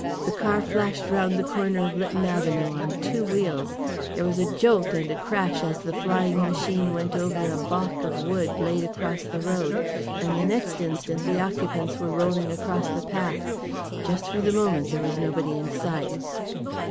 The car flashed round the corner of Lytton Avenue on two wheels. There was a jolt and a crash as the flying machine went over a balk of wood laid across the road, and the next instant the occupants were rolling across the path. Just for the moment there was nobody in sight.